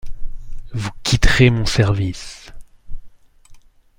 Vous quitterez mon service. ..